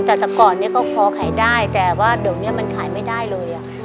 แต่แต่ก่อนเนี่ยก็พอขายได้แต่ว่าเดี๋ยวนี้มันขายไม่ได้เลย